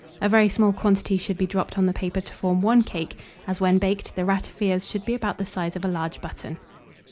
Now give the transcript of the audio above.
A very small quantity should be dropped on the paper to form one cake, as, when baked, the ratafias should be about the size of a large button.